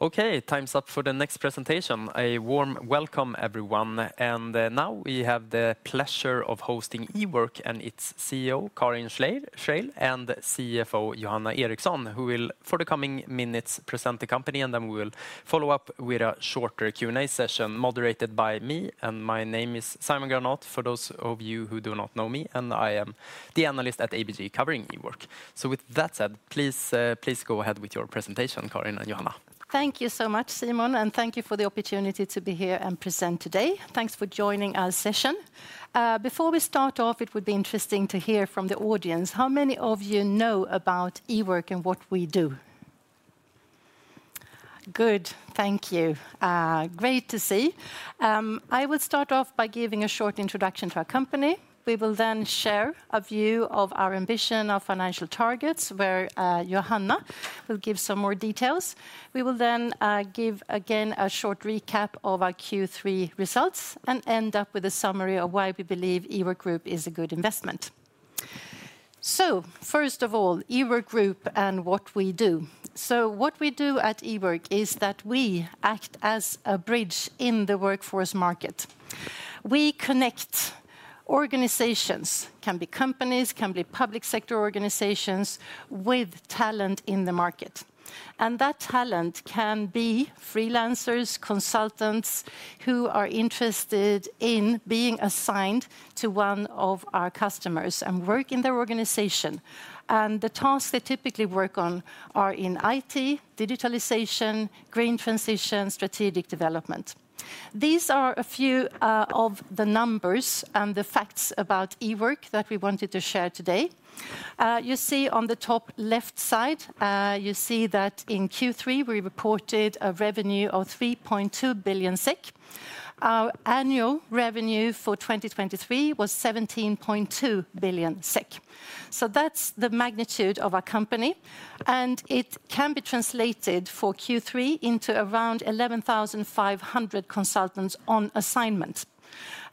Okay, time's up for the next presentation. A warm welcome, everyone. Now we have the pleasure of hosting Ework and its CEO, Karin Schreil, and CFO, Johanna Eriksson, who will, for the coming minutes, present the company, and then we will follow up with a shorter Q&A session moderated by me. My name is Simon Granath, for those of you who do not know me, and I am the analyst at ABG covering Ework. With that said, please go ahead with your presentation, Karin and Johanna. Thank you so much, Simon, and thank you for the opportunity to be here and present today. Thanks for joining our session. Before we start off, it would be interesting to hear from the audience how many of you know about Ework and what we do. Good, thank you. Great to see. I will start off by giving a short introduction to our company. We will then share a view of our ambition, our financial targets, where Johanna will give some more details. We will then give again a short recap of our Q3 results and end up with a summary of why we believe Ework Group is a good investment. So first of all, Ework Group and what we do. So what we do at Ework is that we act as a bridge in the workforce market. We connect organizations, can be companies, can be public sector organizations, with talent in the market. And that talent can be freelancers, consultants who are interested in being assigned to one of our customers and work in their organization. And the tasks they typically work on are in IT, digitalization, green transition, strategic development. These are a few of the numbers and the facts about Ework that we wanted to share today. You see on the top left side, you see that in Q3 we reported a revenue of 3.2 billion. Our annual revenue for 2023 was 17.2 billion. So that's the magnitude of our company. And it can be translated for Q3 into around 11,500 consultants on assignment.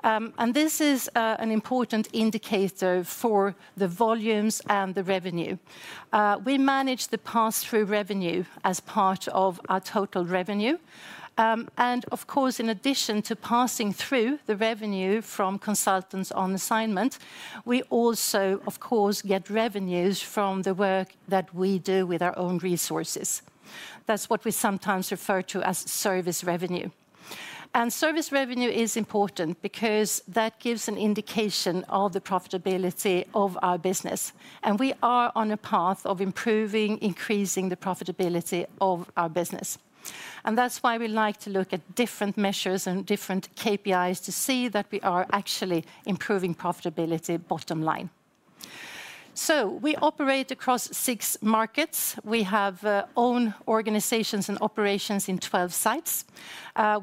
And this is an important indicator for the volumes and the revenue. We manage the pass-through revenue as part of our total revenue. And of course, in addition to passing through the revenue from consultants on assignment, we also, of course, get revenues from the work that we do with our own resources. That's what we sometimes refer to as service revenue. And service revenue is important because that gives an indication of the profitability of our business. And we are on a path of improving, increasing the profitability of our business. And that's why we like to look at different measures and different KPIs to see that we are actually improving profitability bottom line. So we operate across six markets. We have own organizations and operations in 12 sites.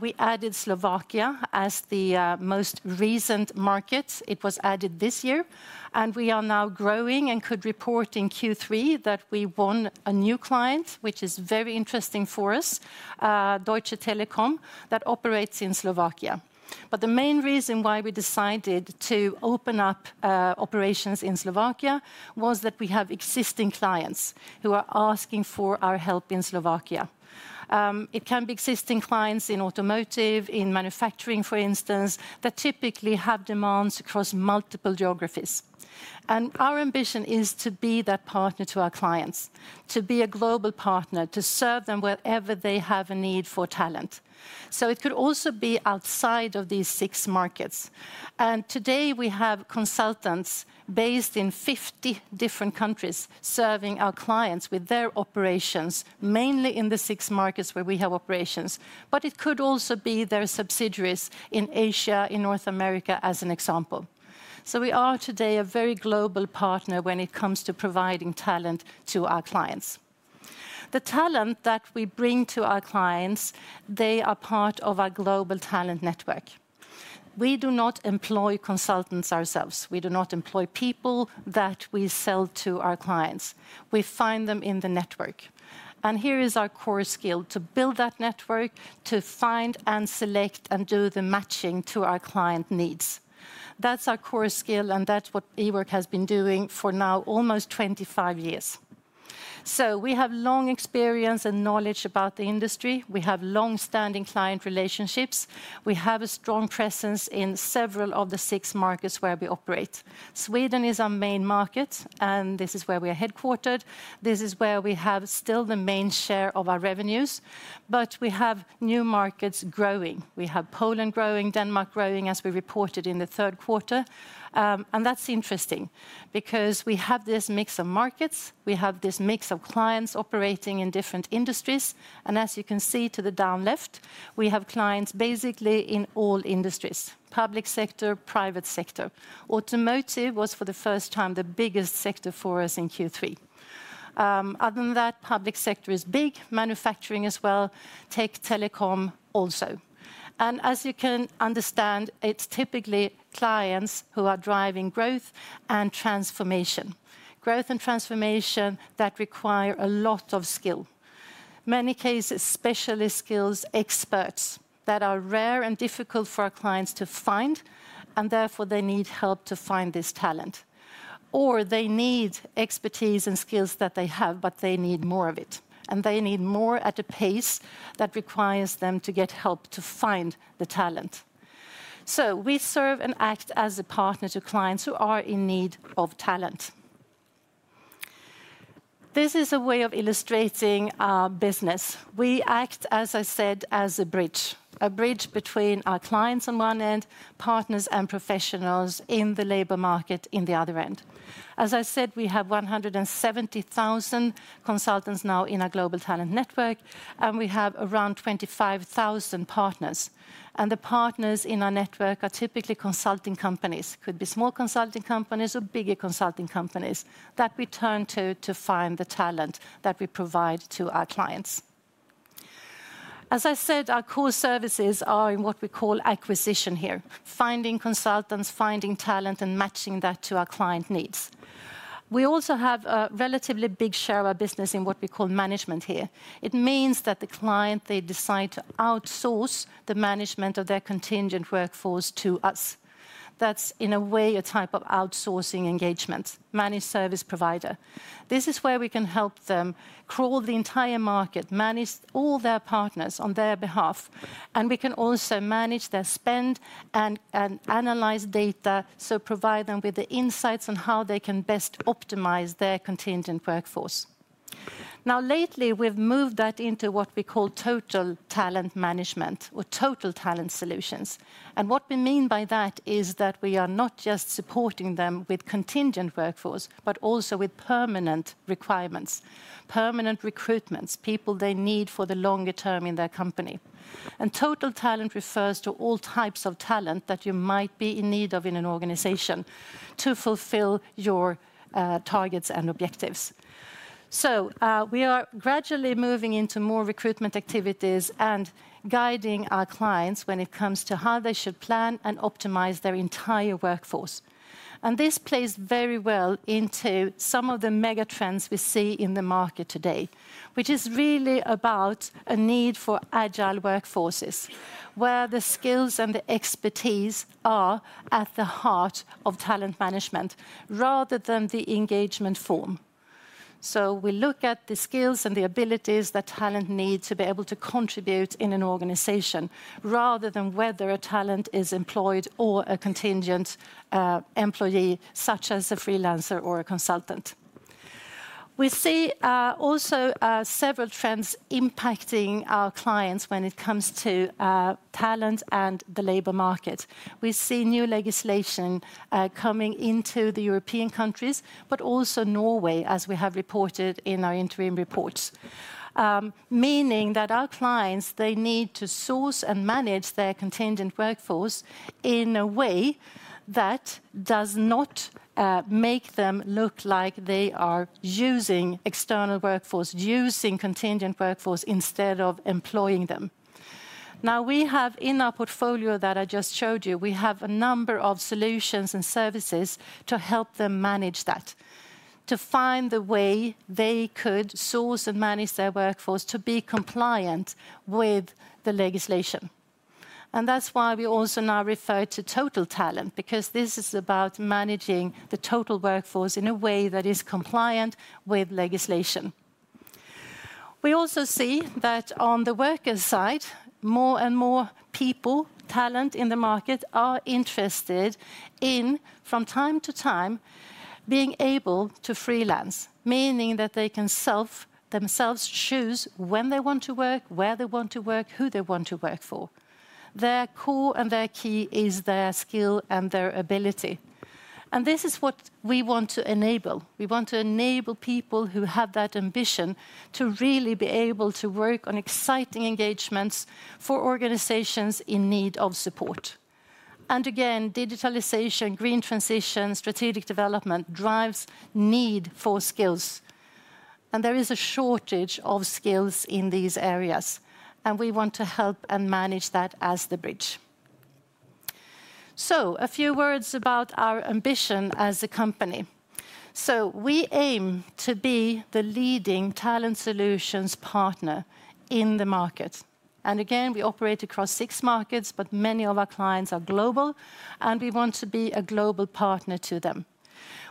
We added Slovakia as the most recent market. It was added this year. And we are now growing and could report in Q3 that we won a new client, which is very interesting for us, Deutsche Telekom, that operates in Slovakia. But the main reason why we decided to open up operations in Slovakia was that we have existing clients who are asking for our help in Slovakia. It can be existing clients in automotive, in manufacturing, for instance, that typically have demands across multiple geographies. And our ambition is to be that partner to our clients, to be a global partner, to serve them wherever they have a need for talent. So it could also be outside of these six markets. And today we have consultants based in 50 different countries serving our clients with their operations mainly in the six markets where we have operations. But it could also be their subsidiaries in Asia, in North America, as an example. So we are today a very global partner when it comes to providing talent to our clients. The talent that we bring to our clients, they are part of our Global Talent Network. We do not employ consultants ourselves. We do not employ people that we sell to our clients. We find them in the network. Here is our core skill to build that network, to find and select and do the matching to our client needs. That's our core skill, and that's what Ework has been doing for now almost 25 years. We have long experience and knowledge about the industry. We have long-standing client relationships. We have a strong presence in several of the six markets where we operate. Sweden is our main market, and this is where we are headquartered. This is where we have still the main share of our revenues. We have new markets growing. We have Poland growing, Denmark growing, as we reported in the third quarter. And that's interesting because we have this mix of markets. We have this mix of clients operating in different industries. And as you can see to the down left, we have clients basically in all industries, public sector, private sector. Automotive was for the first time the biggest sector for us in Q3. Other than that, public sector is big, manufacturing as well, tech telecom also. And as you can understand, it's typically clients who are driving growth and transformation. Growth and transformation that require a lot of skill. In many cases, specialist skills, experts that are rare and difficult for our clients to find, and therefore they need help to find this talent. Or they need expertise and skills that they have, but they need more of it. And they need more at a pace that requires them to get help to find the talent. We serve and act as a partner to clients who are in need of talent. This is a way of illustrating our business. We act, as I said, as a bridge, a bridge between our clients on one end, partners and professionals in the labor market on the other end. As I said, we have 170,000 consultants now in our Global Talent Network, and we have around 25,000 partners. And the partners in our network are typically consulting companies, could be small consulting companies or bigger consulting companies that we turn to to find the talent that we provide to our clients. As I said, our core services are in what we call acquisition here, finding consultants, finding talent, and matching that to our client needs. We also have a relatively big share of our business in what we call management here. It means that the client, they decide to outsource the management of their contingent workforce to us. That's in a way a type of outsourcing engagement, managed service provider. This is where we can help them crawl the entire market, manage all their partners on their behalf, and we can also manage their spend and analyze data to provide them with the insights on how they can best optimize their contingent workforce. Now, lately, we've moved that into what we call total talent management or total talent solutions, and what we mean by that is that we are not just supporting them with contingent workforce, but also with permanent requirements, permanent recruitments, people they need for the longer term in their company, and total talent refers to all types of talent that you might be in need of in an organization to fulfill your targets and objectives. So we are gradually moving into more recruitment activities and guiding our clients when it comes to how they should plan and optimize their entire workforce. And this plays very well into some of the megatrends we see in the market today, which is really about a need for agile workforces, where the skills and the expertise are at the heart of talent management rather than the engagement form. So we look at the skills and the abilities that talent needs to be able to contribute in an organization rather than whether a talent is employed or a contingent employee, such as a freelancer or a consultant. We see also several trends impacting our clients when it comes to talent and the labor market. We see new legislation coming into the European countries, but also Norway, as we have reported in our interim reports, meaning that our clients, they need to source and manage their contingent workforce in a way that does not make them look like they are using external workforce, using contingent workforce instead of employing them. Now, we have in our portfolio that I just showed you, we have a number of solutions and services to help them manage that, to find the way they could source and manage their workforce to be compliant with the legislation. And that's why we also now refer to total talent, because this is about managing the total workforce in a way that is compliant with legislation. We also see that on the worker side, more and more people, talent in the market, are interested in, from time to time, being able to freelance, meaning that they can self-choose when they want to work, where they want to work, who they want to work for. Their core and their key is their skill and their ability. And this is what we want to enable. We want to enable people who have that ambition to really be able to work on exciting engagements for organizations in need of support. And again, digitalization, green transition, strategic development drives the need for skills. And there is a shortage of skills in these areas. And we want to help and manage that as the bridge. So a few words about our ambition as a company. So we aim to be the leading talent solutions partner in the market. And again, we operate across six markets, but many of our clients are global, and we want to be a global partner to them.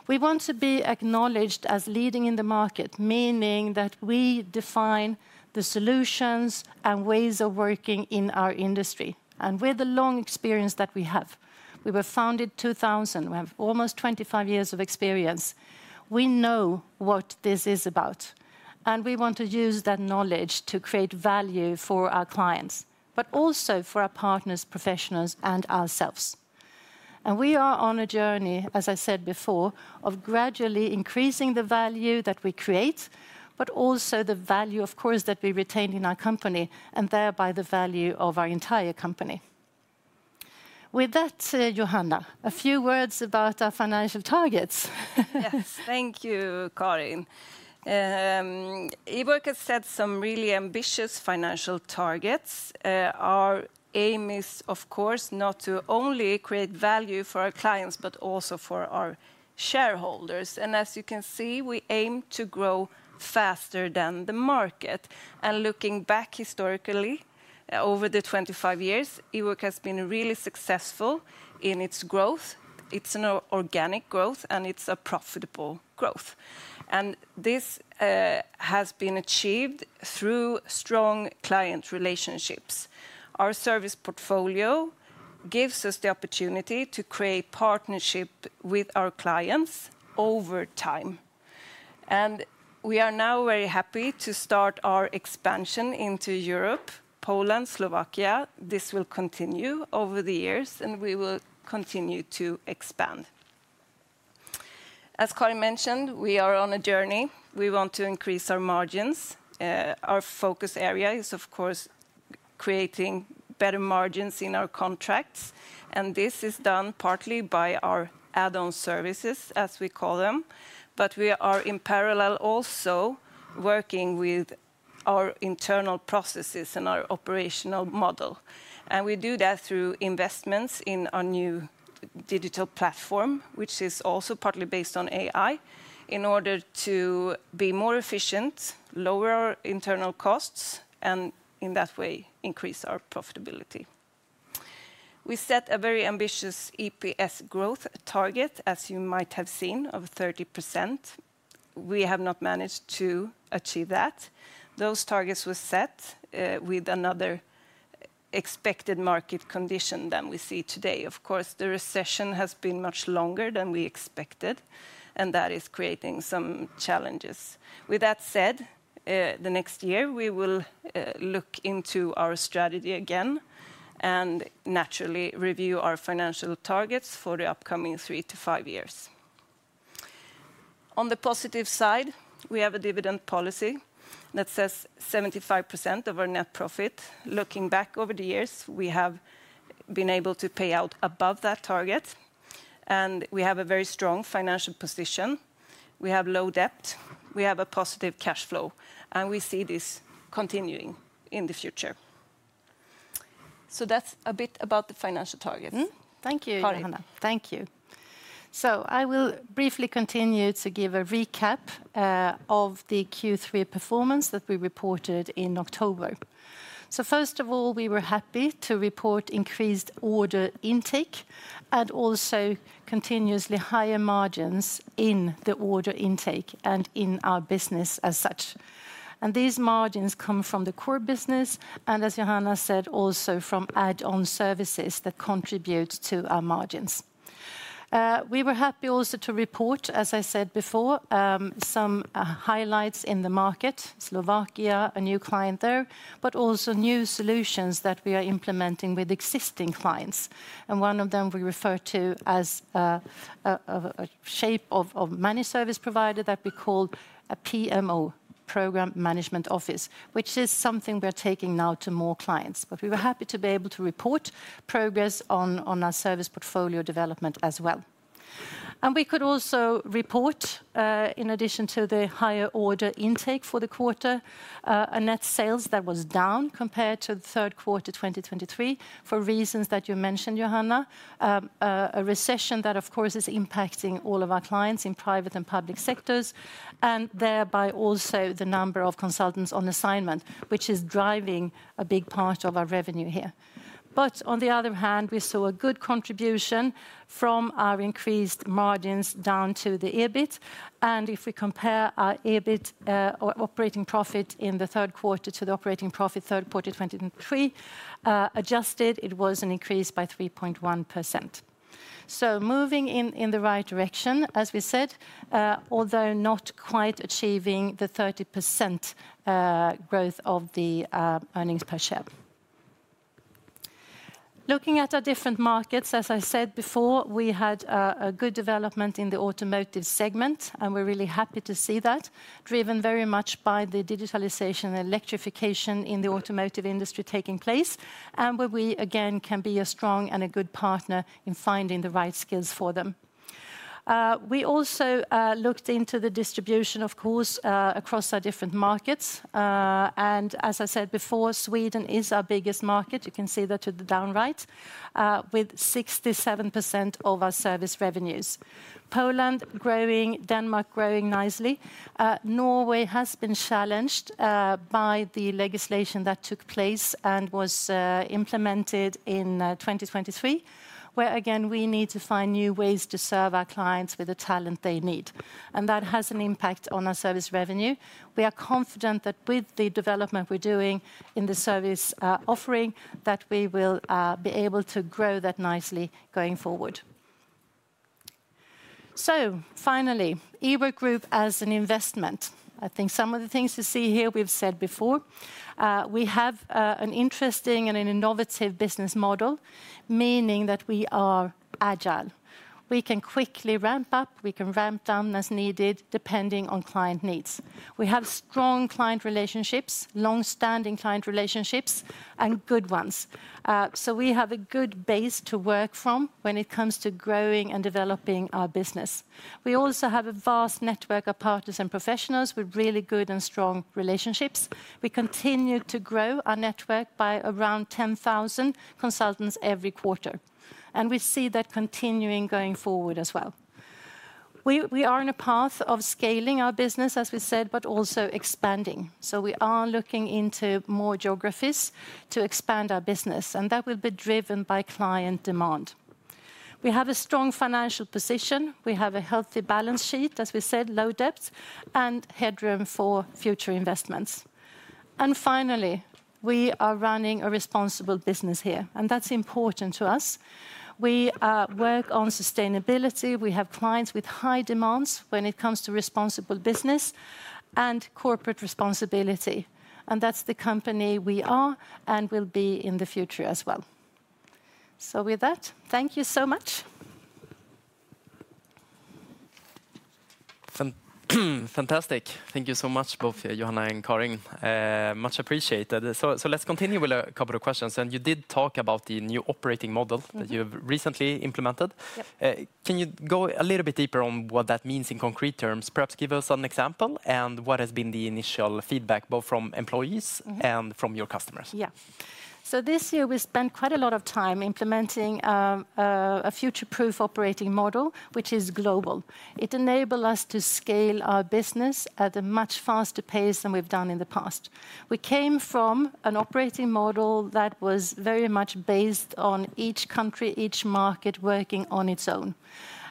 We want to be acknowledged as leading in the market, meaning that we define the solutions and ways of working in our industry. And with the long experience that we have, we were founded in 2000. We have almost 25 years of experience. We know what this is about. And we want to use that knowledge to create value for our clients, but also for our partners, professionals, and ourselves. And we are on a journey, as I said before, of gradually increasing the value that we create, but also the value, of course, that we retain in our company and thereby the value of our entire company. With that, Johanna, a few words about our financial targets. Yes, thank you, Karin. Ework has set some really ambitious financial targets. Our aim is, of course, not to only create value for our clients, but also for our shareholders, and as you can see, we aim to grow faster than the market, and looking back historically over the 25 years, Ework has been really successful in its growth. It's an organic growth, and it's a profitable growth, and this has been achieved through strong client relationships. Our service portfolio gives us the opportunity to create partnerships with our clients over time, and we are now very happy to start our expansion into Europe, Poland, Slovakia. This will continue over the years, and we will continue to expand. As Karin mentioned, we are on a journey. We want to increase our margins. Our focus area is, of course, creating better margins in our contracts. This is done partly by our add-on services, as we call them. We are in parallel also working with our internal processes and our operational model. We do that through investments in our new digital platform, which is also partly based on AI, in order to be more efficient, lower our internal costs, and in that way, increase our profitability. We set a very ambitious EPS growth target, as you might have seen, of 30%. We have not managed to achieve that. Those targets were set with another expected market condition than we see today. Of course, the recession has been much longer than we expected, and that is creating some challenges. With that said, the next year, we will look into our strategy again and naturally review our financial targets for the upcoming three to five years. On the positive side, we have a dividend policy that says 75% of our net profit. Looking back over the years, we have been able to pay out above that target, and we have a very strong financial position. We have low debt. We have a positive cash flow, and we see this continuing in the future. So that's a bit about the financial targets. Thank you, Johanna. Thank you. So I will briefly continue to give a recap of the Q3 performance that we reported in October. So first of all, we were happy to report increased order intake and also continuously higher margins in the order intake and in our business as such. And these margins come from the core business and, as Johanna said, also from add-on services that contribute to our margins. We were happy also to report, as I said before, some highlights in the market, Slovakia, a new client there, but also new solutions that we are implementing with existing clients. And one of them we refer to as a type of managed service provider that we call a PMO, Program Management Office, which is something we are taking now to more clients. But we were happy to be able to report progress on our service portfolio development as well. And we could also report, in addition to the higher order intake for the quarter, a net sales that was down compared to the third quarter 2023 for reasons that you mentioned, Johanna, a recession that, of course, is impacting all of our clients in private and public sectors, and thereby also the number of consultants on assignment, which is driving a big part of our revenue here. But on the other hand, we saw a good contribution from our increased margins down to the EBIT, and if we compare our EBIT operating profit in the third quarter to the operating profit third quarter 2023, adjusted, it was an increase by 3.1%, so moving in the right direction, as we said, although not quite achieving the 30% growth of the earnings per share. Looking at our different markets, as I said before, we had a good development in the automotive segment, and we're really happy to see that, driven very much by the digitalization and electrification in the automotive industry taking place, and where we, again, can be a strong and a good partner in finding the right skills for them. We also looked into the distribution, of course, across our different markets, and as I said before, Sweden is our biggest market. You can see that, to the down right, with 67% of our service revenues. Poland growing, Denmark growing nicely. Norway has been challenged by the legislation that took place and was implemented in 2023, where again, we need to find new ways to serve our clients with the talent they need. And that has an impact on our service revenue. We are confident that with the development we're doing in the service offering, that we will be able to grow that nicely going forward. So finally, Ework Group as an investment. I think some of the things you see here, we've said before. We have an interesting and an innovative business model, meaning that we are agile. We can quickly ramp up. We can ramp down as needed, depending on client needs. We have strong client relationships, long-standing client relationships, and good ones. So we have a good base to work from when it comes to growing and developing our business. We also have a vast network of partners and professionals with really good and strong relationships. We continue to grow our network by around 10,000 consultants every quarter. And we see that continuing going forward as well. We are in a path of scaling our business, as we said, but also expanding. So we are looking into more geographies to expand our business, and that will be driven by client demand. We have a strong financial position. We have a healthy balance sheet, as we said, low debt and headroom for future investments. And finally, we are running a responsible business here, and that's important to us. We work on sustainability. We have clients with high demands when it comes to responsible business and corporate responsibility. That's the company we are and will be in the future as well. So with that, thank you so much. Fantastic. Thank you so much, both Johanna and Karin. Much appreciated. So let's continue with a couple of questions. And you did talk about the new operating model that you recently implemented. Can you go a little bit deeper on what that means in concrete terms? Perhaps give us an example and what has been the initial feedback, both from employees and from your customers? Yeah. So this year, we spent quite a lot of time implementing a future-proof operating model, which is global. It enabled us to scale our business at a much faster pace than we've done in the past. We came from an operating model that was very much based on each country, each market working on its own,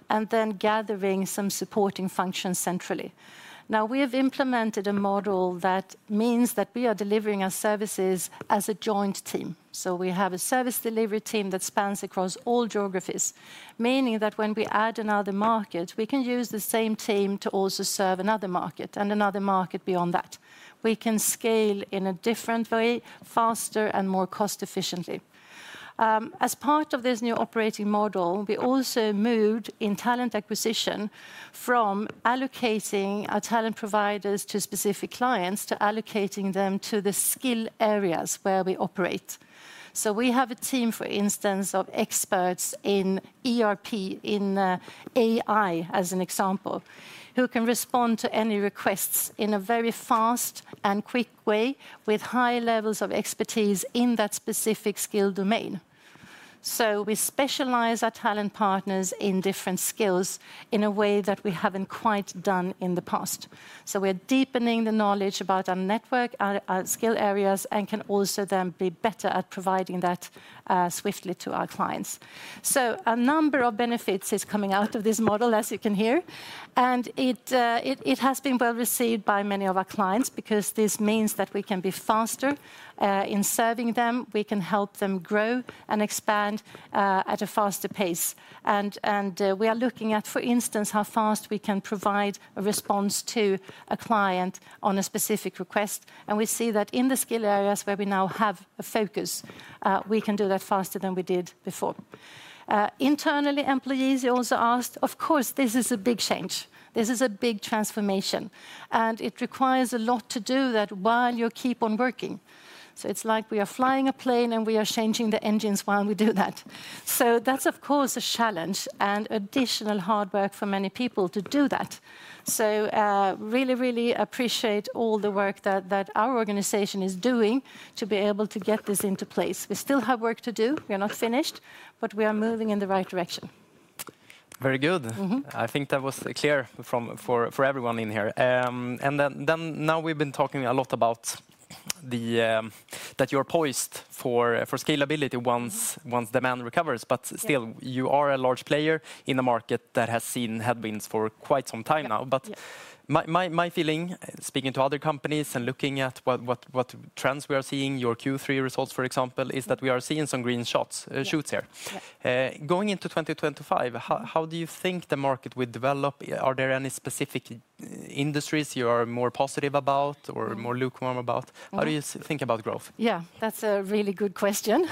and then gathering some supporting functions centrally. Now, we have implemented a model that means that we are delivering our services as a joint team. So we have a service delivery team that spans across all geographies, meaning that when we add another market, we can use the same team to also serve another market and another market beyond that. We can scale in a different way, faster and more cost-efficiently. As part of this new operating model, we also moved in talent acquisition from allocating our talent providers to specific clients to allocating them to the skill areas where we operate. So we have a team, for instance, of experts in ERP, in AI, as an example, who can respond to any requests in a very fast and quick way with high levels of expertise in that specific skill domain. We specialize our talent partners in different skills in a way that we haven't quite done in the past. We're deepening the knowledge about our network, our skill areas, and can also then be better at providing that swiftly to our clients. A number of benefits is coming out of this model, as you can hear. It has been well received by many of our clients because this means that we can be faster in serving them. We can help them grow and expand at a faster pace. We are looking at, for instance, how fast we can provide a response to a client on a specific request. We see that in the skill areas where we now have a focus, we can do that faster than we did before. Internally, employees also asked, of course, this is a big change. This is a big transformation, and it requires a lot to do that while you keep on working, so it's like we are flying a plane and we are changing the engines while we do that, so that's, of course, a challenge and additional hard work for many people to do that. So really, really appreciate all the work that our organization is doing to be able to get this into place. We still have work to do. We are not finished, but we are moving in the right direction. Very good. I think that was clear for everyone in here, and then now we've been talking a lot about that you're poised for scalability once demand recovers, but still, you are a large player in the market that has seen headwinds for quite some time now. But my feeling, speaking to other companies and looking at what trends we are seeing, your Q3 results, for example, is that we are seeing some green shoots here. Going into 2025, how do you think the market will develop? Are there any specific industries you are more positive about or more lukewarm about? How do you think about growth? Yeah, that's a really good question.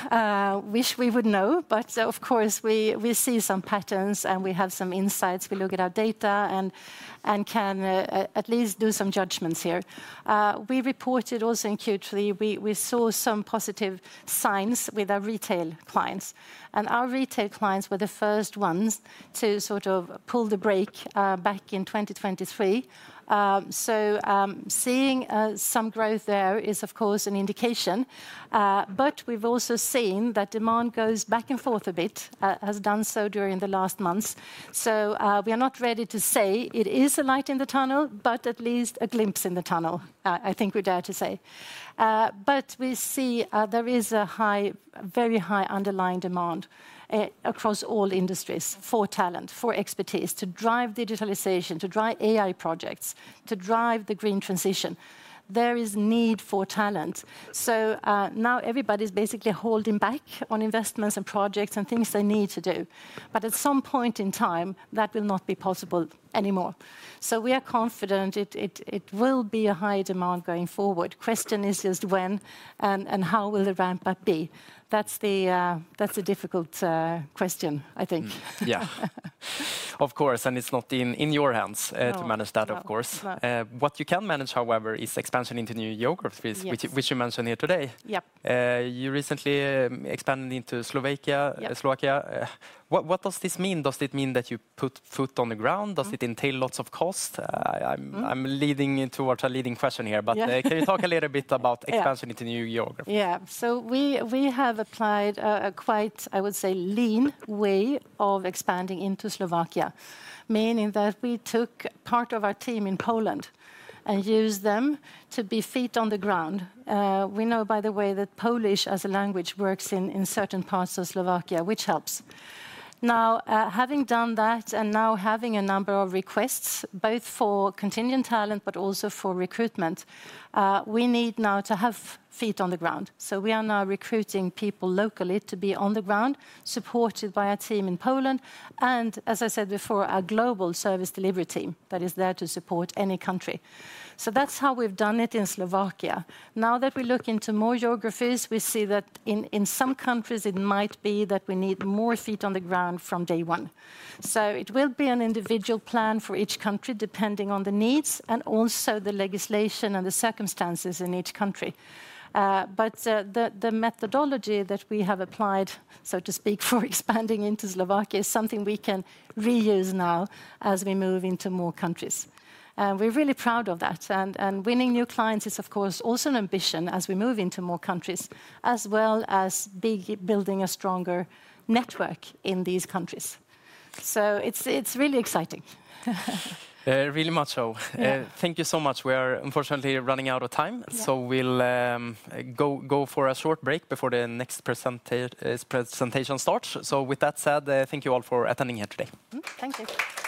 Wish we would know. But of course, we see some patterns and we have some insights. We look at our data and can at least do some judgments here. We reported also in Q3, we saw some positive signs with our retail clients. And our retail clients were the first ones to sort of pull the brake back in 2023. So seeing some growth there is, of course, an indication. But we've also seen that demand goes back and forth a bit, has done so during the last months. So we are not ready to say it is a light in the tunnel, but at least a glimpse in the tunnel, I think we dare to say. But we see there is a very high underlying demand across all industries for talent, for expertise, to drive digitalization, to drive AI projects, to drive the green transition. There is a need for talent. So now everybody's basically holding back on investments and projects and things they need to do. But at some point in time, that will not be possible anymore. So we are confident it will be a high demand going forward. Question is just when and how will the ramp up be? That's the difficult question, I think. Yeah, of course. And it's not in your hands to manage that, of course. What you can manage, however, is expansion into new geographies, which you mentioned here today. You recently expanded into Slovakia. What does this mean? Does it mean that you put foot on the ground? Does it entail lots of costs? I'm leading into our leading question here, but can you talk a little bit about expansion into new geographies? Yeah, so we have applied a quite, I would say, lean way of expanding into Slovakia, meaning that we took part of our team in Poland and used them to be feet on the ground. We know, by the way, that Polish as a language works in certain parts of Slovakia, which helps. Now, having done that and now having a number of requests, both for contingent talent, but also for recruitment, we need now to have feet on the ground. So we are now recruiting people locally to be on the ground, supported by our team in Poland. And as I said before, our global service delivery team that is there to support any country. So that's how we've done it in Slovakia. Now that we look into more geographies, we see that in some countries, it might be that we need more feet on the ground from day one. So it will be an individual plan for each country depending on the needs and also the legislation and the circumstances in each country. But the methodology that we have applied, so to speak, for expanding into Slovakia is something we can reuse now as we move into more countries. And we're really proud of that. And winning new clients is, of course, also an ambition as we move into more countries, as well as building a stronger network in these countries. So it's really exciting. Really much so. Thank you so much. We are unfortunately running out of time. So we'll go for a short break before the next presentation starts. So with that said, thank you all for attending here today. Thank you.